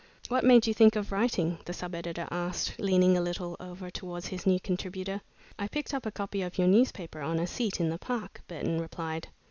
"What made you think of writing?" the sub editor asked, leaning a little over towards his new contributor. "I picked up a copy of your newspaper on a seat in the Park," Burton replied.